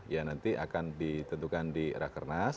ya nanti akan ditentukan di rakernas